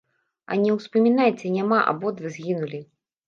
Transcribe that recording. А не ўспамінайце, няма, абодва згінулі.